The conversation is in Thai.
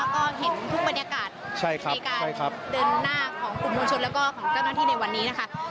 ก็เห็นทุกบรรยากาศในการเดินหน้าของกลุ่มมวลชนแล้วก็ของเจ้าหน้าที่ในวันนี้นะคะ